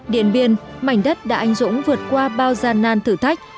điện biên mảnh đất đã anh dũng vượt qua bao gian nan thử thách